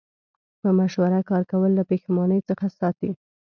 په مشوره کار کول له پښیمانۍ څخه ساتي.